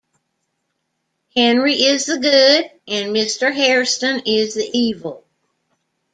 Henry is the good, and Mr. Hairston is the evil.